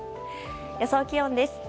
予想気温です。